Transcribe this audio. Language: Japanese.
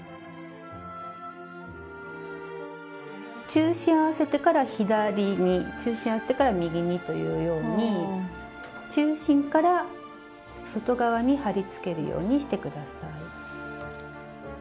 中心を合わせてから左に中心を合わせてから右にというように中心から外側に貼り付けるようにして下さい。